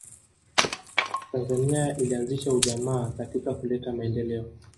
tanzania ilianzisha ujamaa katika kuleta maendeleo